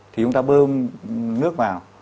thì chúng ta bơm nước vào